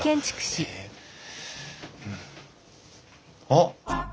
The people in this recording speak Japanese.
あっ！